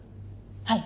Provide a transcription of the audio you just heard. はい。